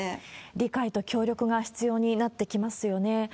理解と協力が必要になってきますよね。